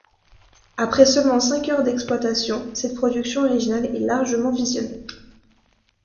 Après seulement cinq heures d'exploitation, cette production originale est largement visionnée.